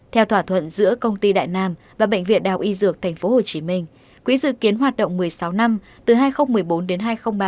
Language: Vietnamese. theo thỏa thuận giữa công ty đại nam và bệnh viện đào y dược tp hcm quỹ dự kiến hoạt động một mươi sáu năm từ hai nghìn một mươi bốn đến hai nghìn ba mươi